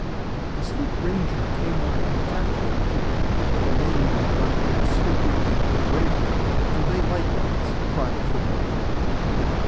The sloop Ranger came up and attacked the men that remained in Black beard's sloop with equal bravery, till they likewise cried for quarter.